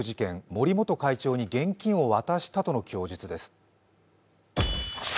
森元会長に現金を渡したとの供述です。